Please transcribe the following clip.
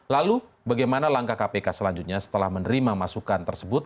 lalu bagaimana langkah kpk selanjutnya setelah menerima masukan tersebut